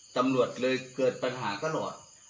ตำรวจเลยเกิดปัญหาตลอด